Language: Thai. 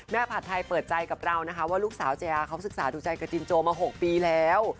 ผัดไทยเปิดใจกับเรานะคะว่าลูกสาวเจอาเขาศึกษาดูใจกับจินโจมา๖ปีแล้ว